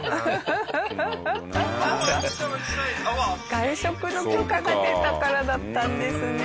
外食の許可が出たからだったんですね。